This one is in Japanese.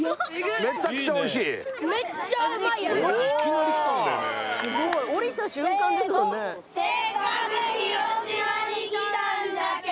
せーの「せっかく広島に来たんじゃけ」